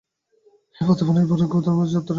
এই প্রত্যাবর্তন বা বৈরাগ্যই যথার্থ ধর্মের আরম্ভ।